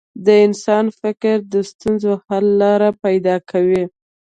د انسان فکر د ستونزو حل لارې پیدا کوي.